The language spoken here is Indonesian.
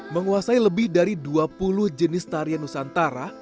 menguasai lebih dari dua puluh jenis tarian nusantara